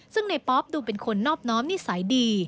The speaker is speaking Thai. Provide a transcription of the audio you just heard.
ซึ่งในป๊อปดูเป็นคนนอบน้อมนิสัยดี